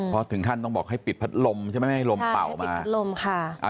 เพราะถึงขั้นต้องให้บอกให้ปิดผลัดลมใช่ไหมเพราะให้ลมเต่ามา